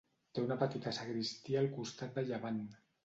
Té una petita sagristia al costat de llevant.